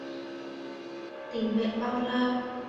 Tình mẹ bao la